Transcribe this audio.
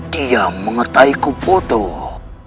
dia mengetahiku bodoh